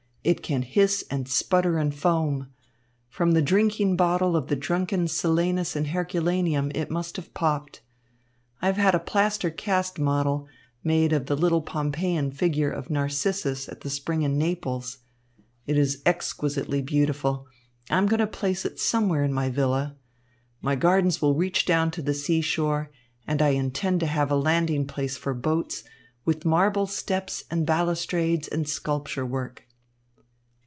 It can hiss and sputter and foam. From the drinking bottle of the drunken Silenus in Herculaneum it must have popped. I have had a plaster cast model made of the little Pompeian figure of Narcissus at the spring in Naples. It is exquisitely beautiful. I am going to place it somewhere in my villa. My gardens will reach down to the seashore, and I intend to have a landing place for boats, with marble steps and balustrades and sculpture work."